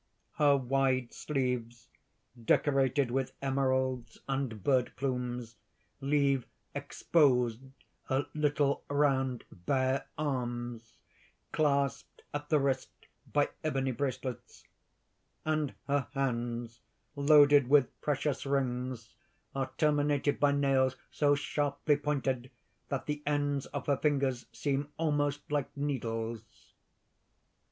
_ _Her wide sleeves, decorated with emeralds and bird plumes, leave exposed her little round bare arms, clasped at the wrist by ebony bracelets; and her hands, loaded with precious rings, are terminated by nails so sharply pointed that the ends of her fingers seem almost like needles.